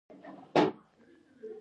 لعل د افغانستان د جغرافیوي تنوع مثال دی.